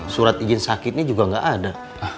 surat izin sakitnya juga nggak ada